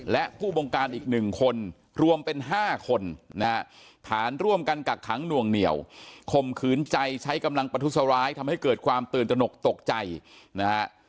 และผู้บองการอีกหนึ่งคน